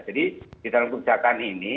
jadi di dalam kebijakan ini